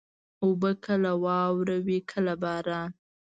اوبه کله واوره وي، کله باران.